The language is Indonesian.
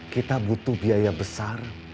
kita butuh biaya besar